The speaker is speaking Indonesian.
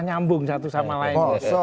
nyambung satu sama lain